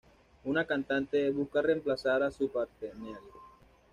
Una cantante busca reemplazar a su partenaire.